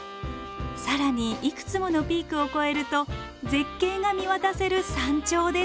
更にいくつものピークを越えると絶景が見渡せる山頂です。